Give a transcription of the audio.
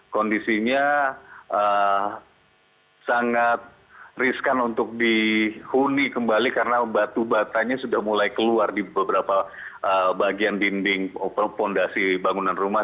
kondisinya sangat riskan untuk dihuni kembali karena batu batanya sudah mulai keluar di beberapa bagian dinding fondasi bangunan rumah